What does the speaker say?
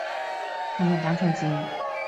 係咪打錯字